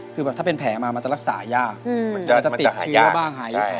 คือแบบถ้าเป็นแผลมามันจะรักษายากอืมมันจะมันจะหายากมันจะติดเชื้อบ้างหายอย่างนี้